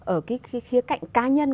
ở cái khía cạnh cá nhân